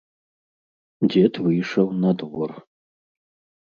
Дзед выйшаў на двор.